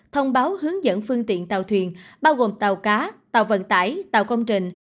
thông báo hướng dẫn phương tiện tàu thuyền bao gồm tàu cá tàu vận tải tàu công trình